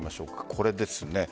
これですね。